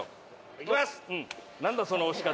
「いきます！」